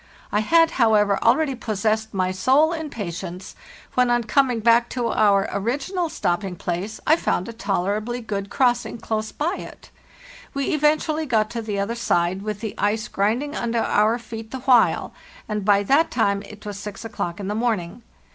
I had, however, already possessed my soul in patience, when, on coming back to our original stopping place, I found a tolerably good crossing close by it. We eventually got to the other side, with JOHANSEN CARVING OUR NAMES IN A STOCK OF DRIFT WOOD. the ice grinding under our feet the while, and by that time it was 6 o'clock in the morning.